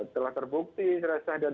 telah terbukti terasa dan